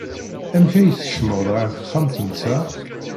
Amek ay tkecmeḍ ɣer texxamt-nteɣ?